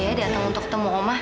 dia udah nunggu untuk ketemu oma